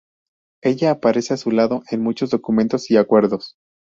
Ella aparece a su lado en muchos documentos y acuerdos.